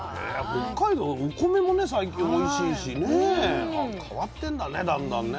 北海道お米もね最近おいしいしね変わってんだねだんだんね。